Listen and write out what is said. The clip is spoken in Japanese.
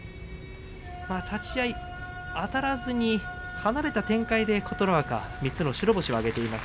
立ち合いあたらずに離れた展開で琴ノ若３つの白星を挙げています。